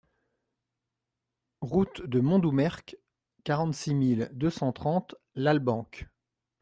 Route de Montdoumerc, quarante-six mille deux cent trente Lalbenque